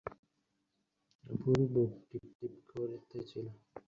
অপুর বুক টিপ টিপ করিতেছিল।